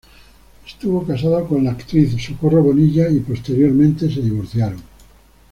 Estuvo casado con la actriz Socorro Bonilla y posteriormente se divorciaron.